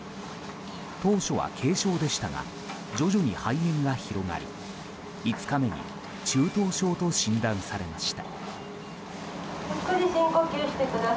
当初は軽症でしたが徐々に肺炎が広がり５日目に中等症と診断されました。